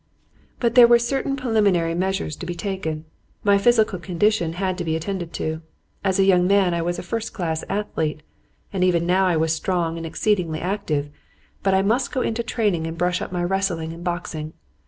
"But there were certain preliminary measures to be taken. My physical condition had to be attended to. As a young man I was a first class athlete, and even now I was strong and exceedingly active. But I must get into training and brush up my wrestling and boxing.